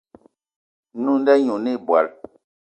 Nwǐ nda ɲî oné̂ ìbwal